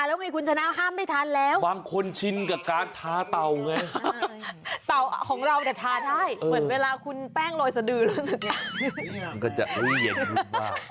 เหมือนเวลาคุณแป้งโรยสดื่อรู้สึกไหม